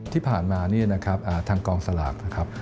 ที่ผ่านมาเนี่ยนะครับทางกองสลากนะครับ